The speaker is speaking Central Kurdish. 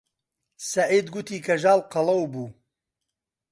سەعید گوتی کەژاڵ قەڵەو بوو.